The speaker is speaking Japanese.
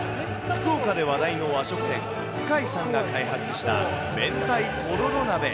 福岡で話題の和食店、主海さんが開発した明太とろろ鍋。